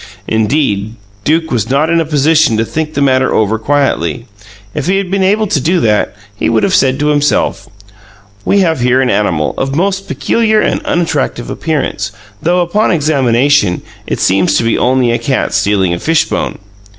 Indeed, Duke was not in a position to think the matter over quietly. If he had been able to do that, he would have said to himself: "We have here an animal of most peculiar and unattractive appearance, though, upon examination, it seems to be only a cat stealing a fishbone.